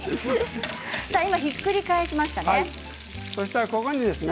ひっくり返しましたね。